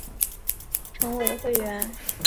上级农会以其下级农会为会员。